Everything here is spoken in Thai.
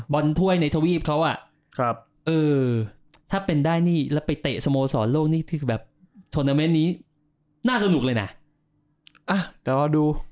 บรรพุ่ยในนั้นสีโลกนี่ถือแบบหน้าสนุกเลยนะเอ้าเดี๋ยวเราดู